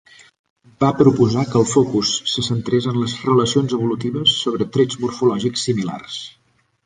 Va proposar que el focus es centrés en les relacions evolutives sobre trets morfològics similars.